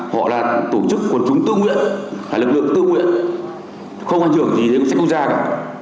họ là tổ chức của chúng tư nguyện là lực lượng tư nguyện không quan trọng gì đến với sách quốc gia cả